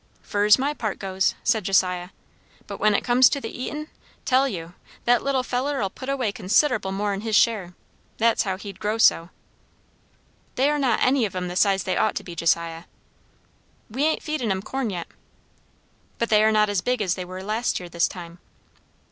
"Fur's my part goes," said Josiah; "but when it comes to the eatin' tell you! that little feller'll put away consid'able more'n his share. That's how he's growd so." "They are not any of 'em the size they ought to be, Josiah." "We ain't feedin' 'em corn yet." "But they are not as big as they were last year this time."